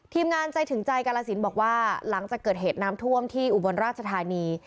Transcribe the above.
งานใจถึงใจกาลสินบอกว่าหลังจากเกิดเหตุน้ำท่วมที่อุบลราชธานี